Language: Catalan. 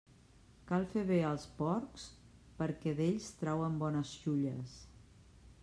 Cal fer bé als porcs, perquè d'ells trauen bones xulles.